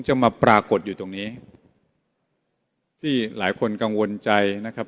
จะมาปรากฏอยู่ตรงนี้ที่หลายคนกังวลใจนะครับ